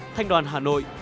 thanh đoàn hà nội